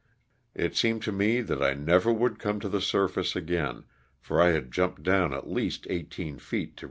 It seemed to me that I never would come to the surface again for I had jumped down at least eighteen feet to LOSS OF THE SULTANA.